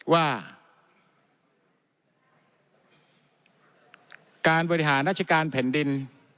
ว่าการบริหารราชการแผ่นดิน